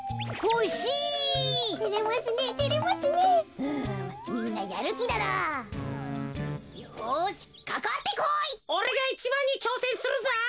おれがいちばんにちょうせんするぞ。